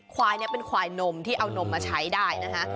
ควายเนี่ยเป็นควายนมที่เอานมมาใช้ได้นะคะ